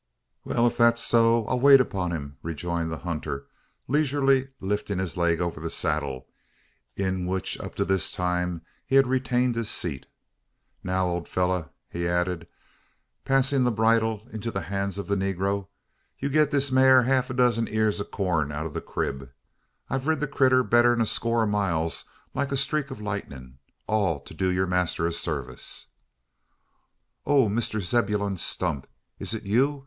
"Wal, if thet's so, I'll wait upon him," rejoined the hunter, leisurely lifting his leg over the saddle in which up to this time he had retained his seat. "Now, ole fellur," he added, passing the bridle into the hands of the negro, "you gi'e the maar half a dozen yeers o' corn out o' the crib. I've rid the critter better 'n a score o' miles like a streak o' lightnin' all to do yur master a sarvice." "Oh, Mr Zebulon Stump, is it you?"